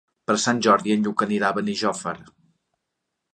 Per Sant Jordi en Lluc anirà a Benijòfar.